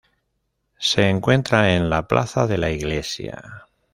Se encuentra en la plaza de la Iglesia.